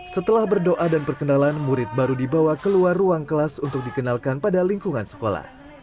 setelah berdoa dan perkenalan murid baru dibawa keluar ruang kelas untuk dikenalkan pada lingkungan sekolah